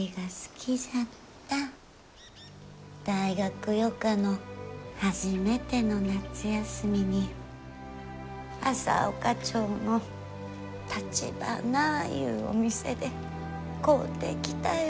大学予科の初めての夏休みに朝丘町のたちばないうお店で買うてきたよ